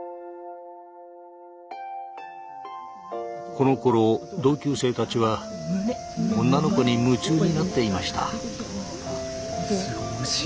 このころ同級生たちは女の子に夢中になっていました。